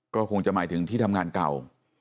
ก็คงจะหมายถึงที่ทำงานเก่า